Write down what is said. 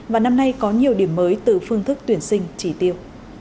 và năm nay có nhiều điểm mới từ phương thức tuyển sinh chỉ tiêu